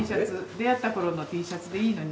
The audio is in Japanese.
出会った頃のＴシャツでいいのに。